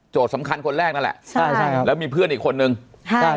โจทย์สำคัญคนแรกนั่นแหละใช่ครับแล้วมีเพื่อนอีกคนนึงใช่ครับ